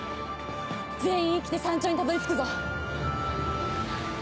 全員生きて山頂にたどり着くぞ！